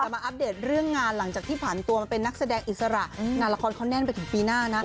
เป็นภาระสิ่งสักสิทธิ์